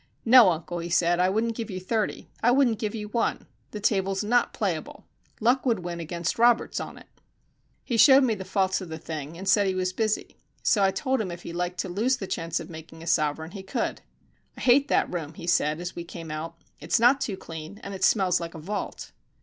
"No, uncle," he said, "I wouldn't give you thirty. I wouldn't give you one. The table's not playable. Luck would win against Roberts on it." He showed me the faults of the thing and said he was busy. So I told him if he liked to lose the chance of making a sovereign he could. "I hate that room," he said, as we came out. "It's not too clean, and it smells like a vault."